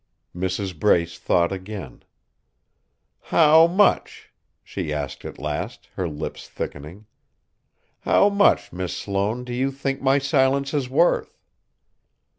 Mrs. Brace thought again. "How much?" she asked at last, her lips thickening. "How much, Miss Sloane, do you think my silence is worth?"